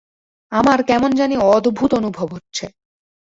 আমার কেমন জানি অদ্ভুত অনুভব হচ্ছে।